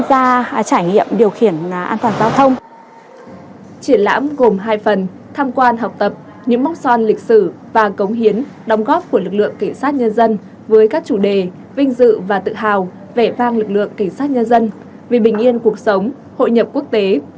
triển lãm gồm hai phần tham quan học tập những mốc son lịch sử và cống hiến đóng góp của lực lượng cảnh sát nhân dân với các chủ đề vinh dự và tự hào vẻ vang lực lượng cảnh sát nhân dân vì bình yên cuộc sống hội nhập quốc tế